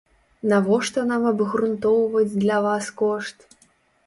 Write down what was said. Навошта нам абгрунтоўваць для вас кошт?